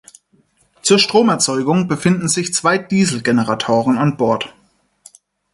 Zur Stromerzeugung befinden sich zwei Dieselgeneratoren an Bord.